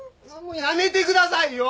やめてくださいよ！